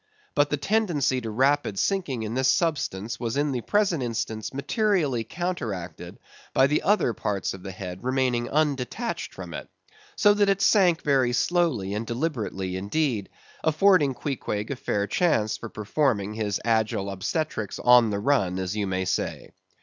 But the tendency to rapid sinking in this substance was in the present instance materially counteracted by the other parts of the head remaining undetached from it, so that it sank very slowly and deliberately indeed, affording Queequeg a fair chance for performing his agile obstetrics on the run, as you may say.